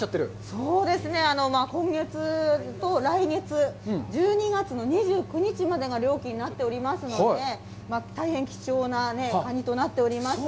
そうですね、今月と来月、１２月の２９日までが漁期になっておりますので、大変貴重なカニとなっております。